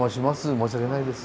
申し訳ないです。